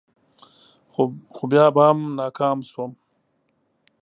خو بیا به ناکام شوم.